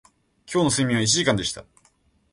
今日の睡眠は一時間でした